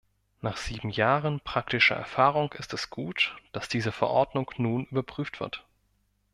Nach sieben Jahren praktischer Erfahrung ist es gut, dass diese Verordnung nun überprüft wird.